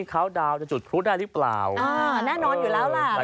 เขาดาวจะจุดพลุได้หรือเปล่าแน่นอนอยู่แล้วล่ะ